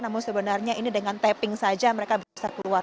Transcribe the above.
namun sebenarnya ini dengan tapping saja mereka bisa keluar